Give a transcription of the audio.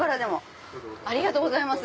ありがとうございます。